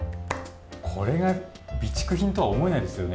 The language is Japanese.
これが備蓄品とは思えないですよね。